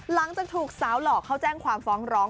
หลังจากถูกสาวหล่อเข้าแจ้งความฟ้องร้อง